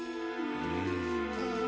うん。